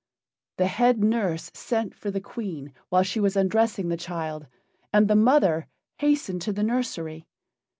The head nurse sent for the Queen while she was undressing the child, and the mother hastened to the nursery.